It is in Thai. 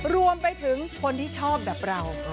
รวมไปถึงคนที่ชอบแบบเรา